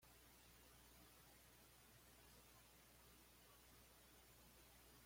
Sin embargo, Ana Luisa no reacciona de la misma manera.